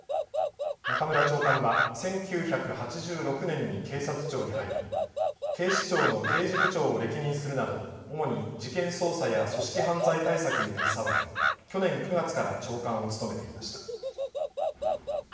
中村長官は１９８６年に警察庁に入り警視庁の刑事部長を歴任するなど主に事件捜査や組織犯罪対策に携わり去年９月から長官を務めていました。